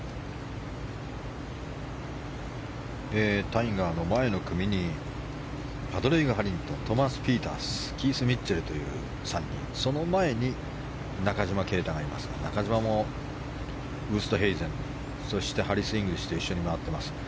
タイガーが前の組にパドレイグ・ハリントントーマス・ピータースキース・ミッチェルというその前に中島啓太がいますが中島もウーストヘイゼンハリス・イングリッシュと一緒に回っています。